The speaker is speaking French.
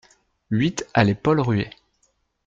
huit allée Paul Rué